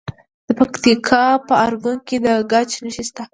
د پکتیکا په ارګون کې د ګچ نښې شته.